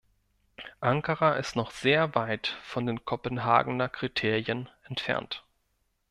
Ankara ist noch sehr weit von den Kopenhagener Kriterien entfernt.